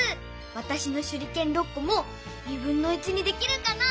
わたしのしゅりけん６こもにできるかな？